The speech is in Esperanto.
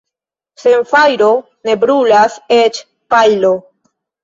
Sen fajro ne brulas eĉ pajlo.